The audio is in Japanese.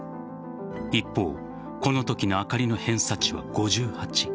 一方このときのあかりの偏差値は５８。